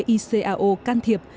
icao can thiệp